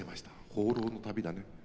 放浪の旅だね。